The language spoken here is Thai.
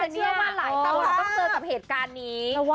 ต้องเจอกับเหตุการณ์นี้